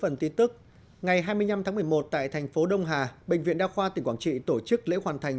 ngày hai mươi năm tháng một mươi một tại thành phố đông hà bệnh viện đa khoa tỉnh quảng trị tổ chức lễ hoàn thành